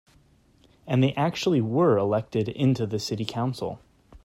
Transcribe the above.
And they actually were elected into the city council.